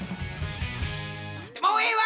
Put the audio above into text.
もうええわ！